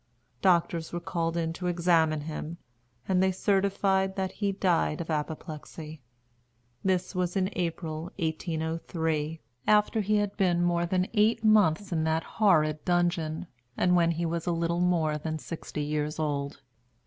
Doctors were called in to examine him, and they certified that he died of apoplexy. This was in April, 1803, after he had been more than eight months in that horrid dungeon, and when he was a little more than sixty years old.